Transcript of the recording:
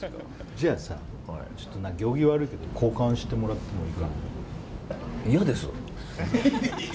じゃあ、行儀悪いけど交換してもらっていいかな。